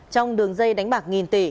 trong đường dây đánh bạc nghìn tỷ